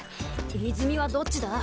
泉はどっちだ？